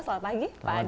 selamat pagi pak adik